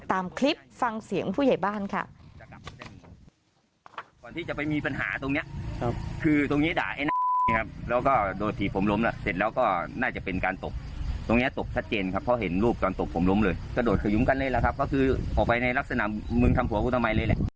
ตามคลิปฟังเสียงผู้ใหญ่บ้านค่ะ